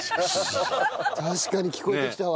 確かに聞こえてきたわ。